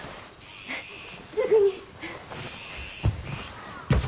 すぐに。